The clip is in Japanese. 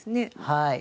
はい。